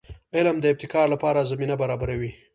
علم د ابتکار لپاره زمینه برابروي.